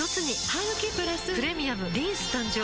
ハグキプラス「プレミアムリンス」誕生